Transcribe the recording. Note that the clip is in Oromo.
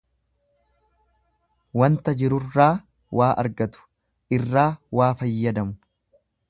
Wanta jirurraa waa argatu, irraa waa fayyadamu.